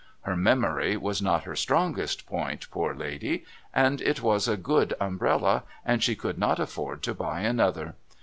Her memory was not her strongest point, poor lady, and it was a good umbrella, and she could not afford to buy another.